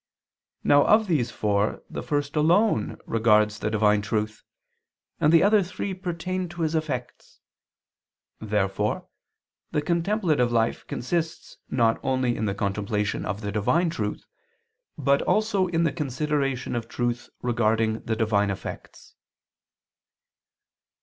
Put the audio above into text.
Now of these four the first alone regards the divine truth, and the other three pertain to His effects. Therefore the contemplative life consists not only in the contemplation of the divine truth, but also in the consideration of truth regarding the divine effects.